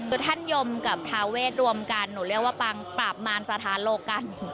คนธรรมยมกับทหารเวทย์รวมกันหนูเรียกว่าปราบมารสถานโลกกัน